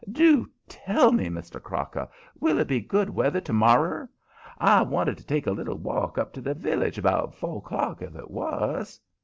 Do tell me, Mr. Crocker, will it be good weather to morrer? I wanted to take a little walk up to the village about four o'clock if it was."